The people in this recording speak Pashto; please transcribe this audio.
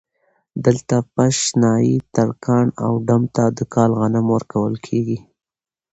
دلته پش ، نايي ، ترکاڼ او ډم ته د کال غنم ورکول کېږي